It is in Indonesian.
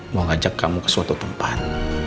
mau ngajak kamu ke suatu tempat